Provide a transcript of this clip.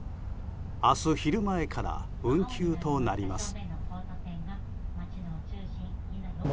明日昼前から運休となります。